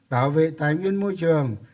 bảo vệ tài nguyên môi trường